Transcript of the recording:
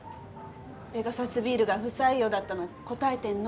ペガサスビールが不採用だったのこたえてんの？